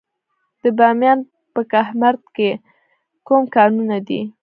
د بامیان په کهمرد کې کوم کانونه دي؟